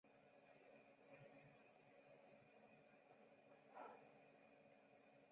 台湾山荠为十字花科山荠属下的一个种。